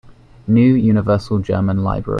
New Universal German Library.